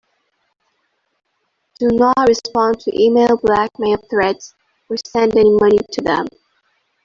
Do not respond to email blackmail threats or send any money to them.